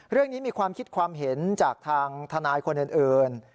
เรื่องนี้มีความคิดความเห็นจากทางทนายคนอื่น